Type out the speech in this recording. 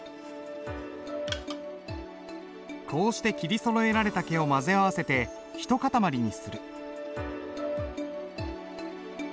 こうして切りそろえられた毛を混ぜ合わせて一塊にする。